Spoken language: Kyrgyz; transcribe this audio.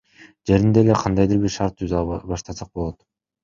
Жеринде эле кандайдыр бир шарт түзө баштасак болот.